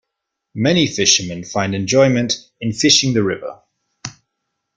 Many fisherman find enjoyment in fishing the river.